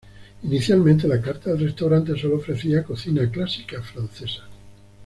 Inicialmente, la carta del restaurante solo ofrecía cocina clásica francesa.